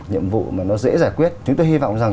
nhiệm vụ mà nó dễ giải quyết chúng tôi hy vọng rằng